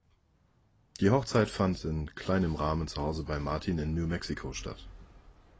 Die Hochzeit fand in kleinem Rahmen zu Hause bei Martin in New Mexico statt.